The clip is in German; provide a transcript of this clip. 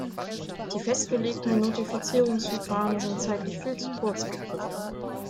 Die festgelegten Notifizierungsverfahren sind zeitlich viel zu kurz gegriffen.